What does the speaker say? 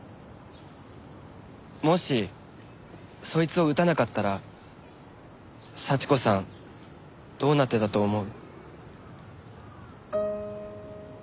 もしそいつを撃たなかったら幸子さんどうなってたと思う？